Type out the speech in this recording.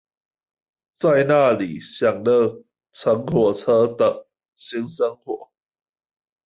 在那裡享樂乘火車的新生活